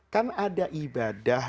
kan ada ibadah